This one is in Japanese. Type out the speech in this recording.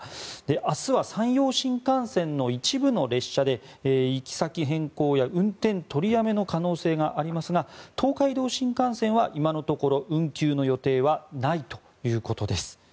明日は山陽新幹線の一部の列車で行き先変更や運転取りやめの可能性がありますが東海道新幹線は今のところ運休の予定はないということです。